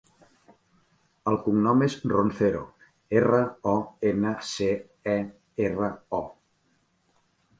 El cognom és Roncero: erra, o, ena, ce, e, erra, o.